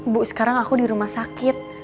bu sekarang aku di rumah sakit